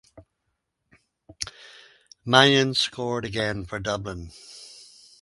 Mannion scored again for Dublin.